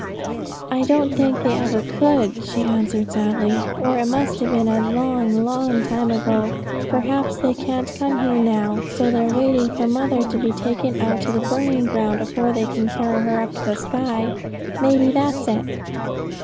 'I don't think they ever could,' she answered sadly, 'or it must have been a long, long time ago. Perhaps they can't come here now, so they're waiting for mother to be taken out to the burying ground afore they can carry her up to the sky. May be that's it.'